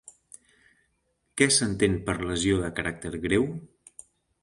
Què s'entén per lesió de caràcter greu?